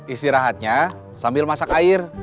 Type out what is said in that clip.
istirahatnya sambil masak air